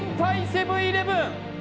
セブン−イレブン